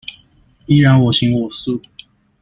依然我行我素